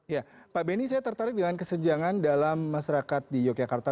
ya pak benny saya tertarik dengan kesenjangan dalam masyarakat di yogyakarta